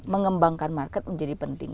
mengembangkan market menjadi penting